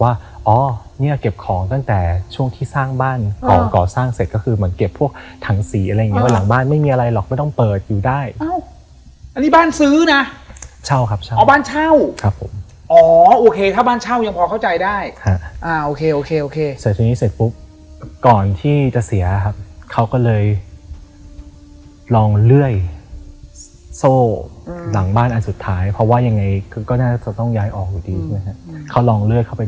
ว่าอ๋อเนี่ยเก็บของตั้งแต่ช่วงที่สร้างบ้านอ๋อก่อสร้างเสร็จก็คือเหมือนเก็บพวกถังสีอะไรอย่างเงี้ยอ๋อหลังบ้านไม่มีอะไรหรอกไม่ต้องเปิดอยู่ได้อ้าวอันนี้บ้านซื้อนะเช่าครับเช่าอ๋อบ้านเช่าครับผมอ๋อโอเคถ้าบ้านเช่ายังพอเข้าใจได้ครับอ่าโอเคโอเคโอเคเสร็จทีนี้เสร็จปุ๊บก่อนที่จะเสียครั